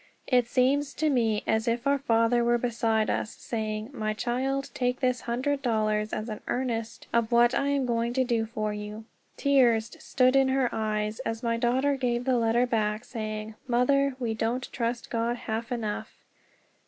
It seems to me as if our Father were beside us saying, 'My child, take this hundred dollars as an earnest of what I am going to do for you.'" Tears stood in her eyes as my daughter gave the letter back, saying: "Mother, we don't trust God half enough!"